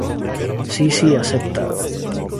Sissi acepta.